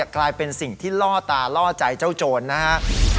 กลายเป็นสิ่งที่ล่อตาล่อใจเจ้าโจรนะครับ